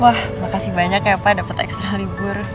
wah makasih banyak ya pak dapat ekstra libur